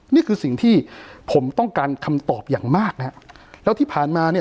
นี่คือสิ่งที่ผมต้องการคำตอบอย่างมากนะฮะแล้วที่ผ่านมาเนี่ย